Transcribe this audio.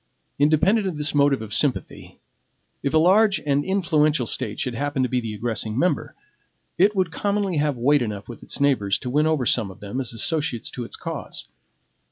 Independent of this motive of sympathy, if a large and influential State should happen to be the aggressing member, it would commonly have weight enough with its neighbors to win over some of them as associates to its cause.